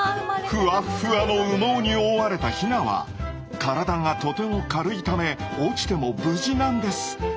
ふわっふわの羽毛に覆われたヒナは体がとても軽いため落ちても無事なんです。